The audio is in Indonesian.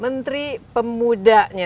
menteri pemuda nya